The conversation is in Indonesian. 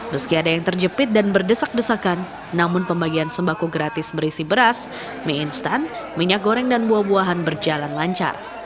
meski ada yang terjepit dan berdesak desakan namun pembagian sembako gratis berisi beras mie instan minyak goreng dan buah buahan berjalan lancar